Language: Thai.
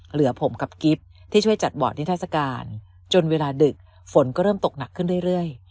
เหลือผมกับกิฟต์ที่ช่วยจัดบอร์ดนิทัศกาลจนเวลาดึกฝนก็เริ่มตกหนักขึ้นเรื่อย